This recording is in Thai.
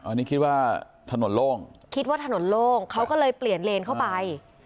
อันนี้คิดว่าถนนโล่งคิดว่าถนนโล่งเขาก็เลยเปลี่ยนเลนเข้าไป